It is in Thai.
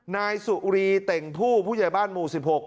นายสุรีเต่งผู้ผู้ใหญ่บ้านหมู่๑๖